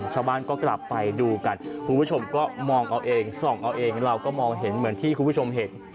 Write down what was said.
ชาวบ้านก็กลับไปดูกันคุณผู้ชมก็มองเอาเองส่องเอาเองเราก็มองเห็นเหมือนที่คุณผู้ชมเห็น